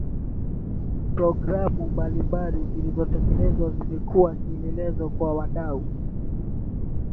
Programu mbalimbali zilizotekelezwa zimekuwa kielelezo kwa wadau